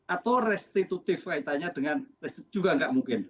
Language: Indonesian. atau restitutif kaitannya dengan restutif juga nggak mungkin